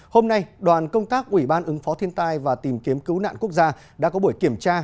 hôm nay đoàn công tác ủy ban ứng phó thiên tai và tìm kiếm cứu nạn quốc gia đã có buổi kiểm tra